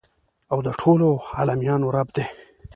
او د ټولو عالميانو رب دى.